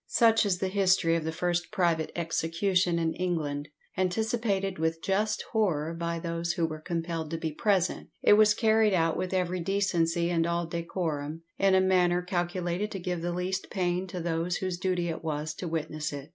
Such is the history of the first private execution in England. Anticipated with just horror by those who were compelled to be present, it was carried out with every decency and all decorum, in a manner calculated to give the least pain to those whose duty it was to witness it.